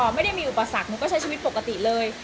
ไม่ได้มีอุปสรรคหนูก็ใช้ชีวิตปกติเลย